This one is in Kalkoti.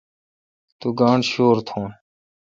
تو گاݨڈ شور تھون۔